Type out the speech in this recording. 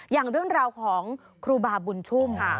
อย่างเรื่องราวของครูบาบุญชุ่ม